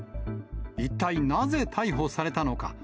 一体、なぜ逮捕されたのか。